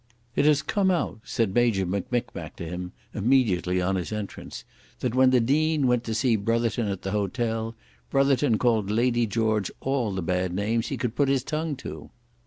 "It has come out," said Major M'Mickmack to him, immediately on his entrance, "that when the Dean went to see Brotherton at the hotel, Brotherton called Lady George all the bad names he could put his tongue to."